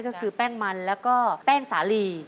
ก็คือแป้งมันแล้วก็แป้งสาลี